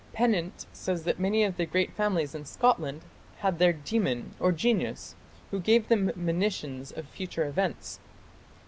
Pennant says that many of the great families in Scotland had their demon or genius, who gave them monitions of future events."